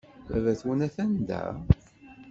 Baba-twen atan da?